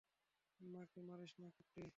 মাকে মারিস না, কুট্টি।